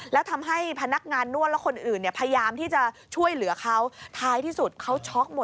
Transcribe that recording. แล้วทำให้พนักงานนวดแล้วคนอื่นพยายามที่จะช่วยเหลือเขา